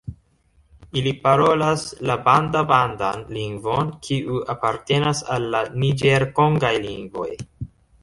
Ili parolas la banda-bandan lingvon, kiu apartenas al la niĝer-kongaj lingvoj.